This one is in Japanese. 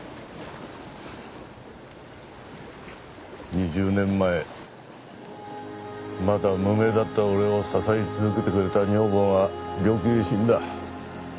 ２０年前まだ無名だった俺を支え続けてくれた女房が病気で死んだ。